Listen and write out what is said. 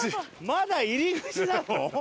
まだ入り口なの？